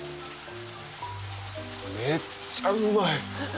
めっちゃうまい！